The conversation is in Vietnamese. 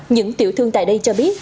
những tiểu thương tại đây cho biết